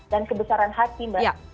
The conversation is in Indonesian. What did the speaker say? dan kebesaran hati mbak